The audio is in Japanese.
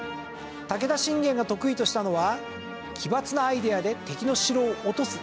武田信玄が得意としたのは奇抜なアイデアで敵の城を落とす城攻め。